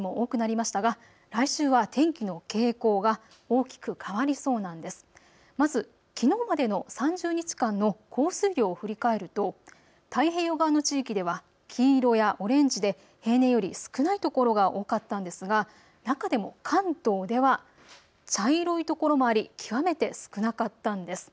まずきのうまでの３０日間の降水量を振り返ると太平洋側の地域では黄色やオレンジで平年より少ない所が多かったんですが中でも関東では茶色いところもあり極めて少なかったんです。